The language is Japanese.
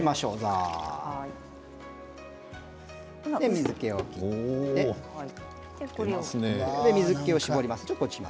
水けを切って水けを絞ります。